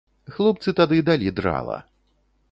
Хлопцы тады далі драла.